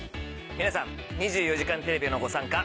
皆さん『２４時間テレビ』へのご参加。